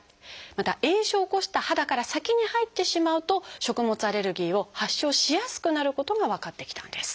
また炎症を起こした肌から先に入ってしまうと食物アレルギーを発症しやすくなることが分かってきたんです。